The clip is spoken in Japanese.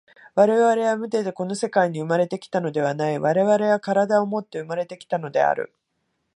我々は無手でこの世界に生まれて来たのではない、我々は身体をもって生まれて来たのである。